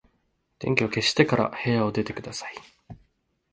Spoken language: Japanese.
電気を消してから部屋を出てください。